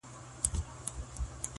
مري ارمان مي له بدنه یې ساه خېژي-